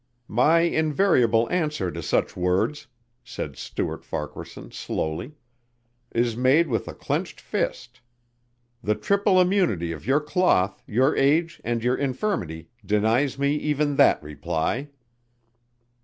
"My invariable answer to such words," said Stuart Farquaharson slowly, "is made with a clenched fist. The triple immunity of your cloth, your age and your infirmity denies me even that reply."